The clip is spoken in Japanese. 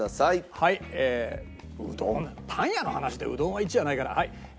うどんパン屋の話でうどんは１位はないからはい。